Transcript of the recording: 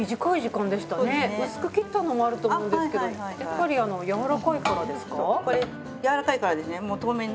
薄く切ったのもあると思うんですけどやっぱりやわらかいからですか？